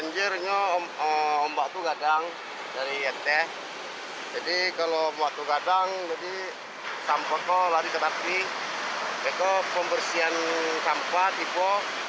jadi kalau waktu kadang sampah itu lari ke tapi itu pembersihan sampah tiba